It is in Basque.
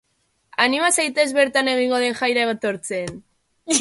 Anima zaitez bertan egingo den jaira etortzen!